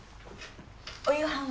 お夕飯は？